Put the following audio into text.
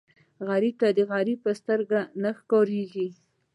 غریب د سترګو نه ښکارېږي